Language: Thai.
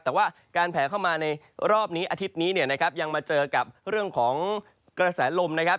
แต่ว่าการแผลเข้ามาในรอบนี้อาทิตย์นี้เนี่ยนะครับยังมาเจอกับเรื่องของกระแสลมนะครับ